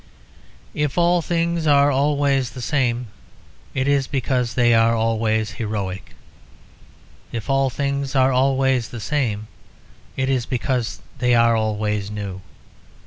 "If all things are always the same, it is because they are always heroic. If all things are always the same, it is because they are always new.